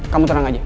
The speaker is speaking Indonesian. kamu tenang aja